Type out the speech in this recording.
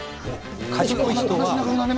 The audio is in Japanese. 賢い人は。